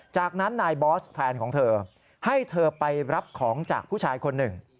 จากนั้นนายบอสแฟนของเธอให้เธอไปรับของจากผู้ชายคนหนึ่ง